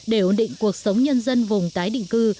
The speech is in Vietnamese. để ổn định cuộc sống nhân dân vùng tái định cư